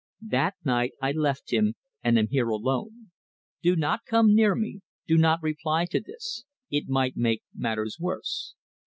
That night I left him, and am here alone. Do not come near me, do not reply to this. It might make matters worse.